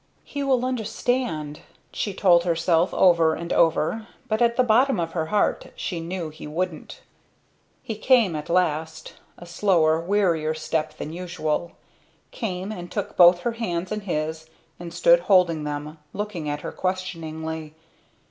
"He will understand!" he told herself, over and over, but at the bottom of her heart she knew he wouldn't. He came at last; a slower, wearier step than usual; came and took both her hands in his and stood holding them, looking at her questioningly.